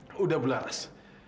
sudah bu laras